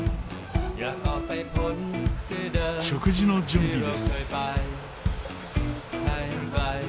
食事の準備です。